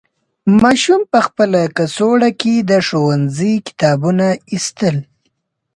ماشوم په خپل کڅوړه کې د ښوونځي کتابونه ایستل.